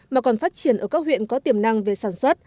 mà còn phát triển ở các huyện có tiềm năng về sản xuất